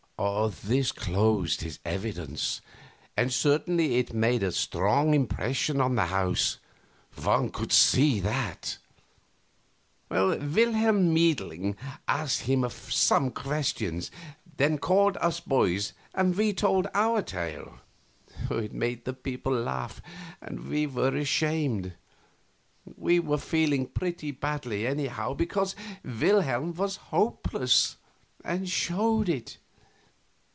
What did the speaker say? This closed his evidence, and certainly it made a strong impression on the house; one could see that. Wilhelm Meidling asked him some questions, then called us boys, and we told our tale. It made the people laugh, and we were ashamed. We were feeling pretty badly, anyhow, because Wilhelm was hopeless, and showed it.